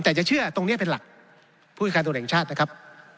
แต่จะเชื่อตรงนี้เป็นหลักผู้จัดการตรวจแห่งชาตินะครับ